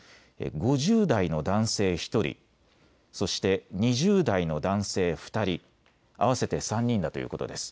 ５０代の男性１人、そして２０代の男性２人合わせて３人だということです。